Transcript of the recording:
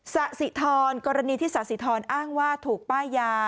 สะสิทรกรณีที่สะสิทรอ้างว่าถูกป้ายยา